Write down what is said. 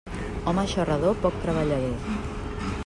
Home xarrador, poc treballador.